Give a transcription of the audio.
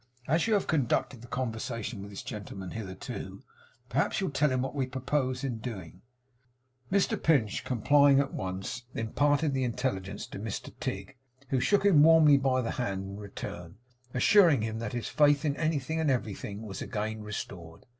As you have conducted the conversation with this gentleman hitherto, perhaps you'll tell him what we purpose doing; will you?' Mr Pinch, complying, at once imparted the intelligence to Mr Tigg, who shook him warmly by the hand in return, assuring him that his faith in anything and everything was again restored.